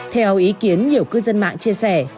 theo ý kiến nhiều cư dân mạng chia sẻ